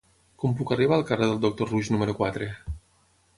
Com puc arribar al carrer del Doctor Roux número quatre?